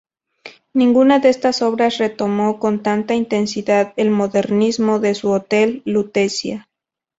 Ninguna de estas obras retomó con tanta intensidad el modernismo de su Hotel Lutecia.